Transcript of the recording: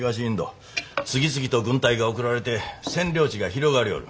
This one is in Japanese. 次々と軍隊が送られて占領地が広がりょおる。